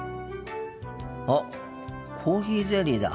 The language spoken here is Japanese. あっコーヒーゼリーだ。